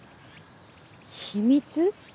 秘密？